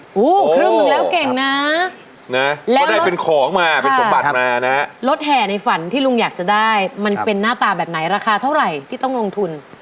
โอ้โฮครึ่งหนึ่งแล้วเก่งนะแล้วแล้วค่ะรถแห่ในฝั่นที่ลุงอยากจะได้มันเป็นน่าตาแบบไหนราคาเท่าไหร่ที่ต้องลงทุน